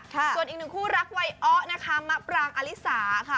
ส่วนอีกหนึ่งคู่รักไว้อ๋อมะปรามอะริสาค่ะ